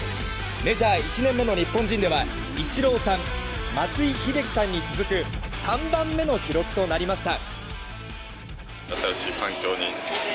メジャー１年目の日本人ではイチローさん松井秀喜さんに続く３番目の記録となりました。